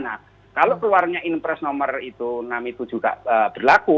nah kalau keluarnya impress nomor itu enam itu juga berlaku